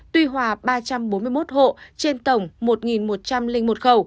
tuy hòa ba trăm bốn mươi một hộ trên tổng một một trăm linh một khẩu